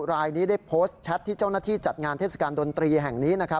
รายนี้ได้โพสต์แชทที่เจ้าหน้าที่จัดงานเทศกาลดนตรีแห่งนี้